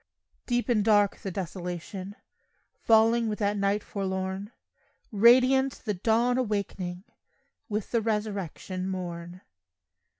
Deep and dark the desolation Falling with that night forlorn; Radiant the dawn awakening With the resurrection morn.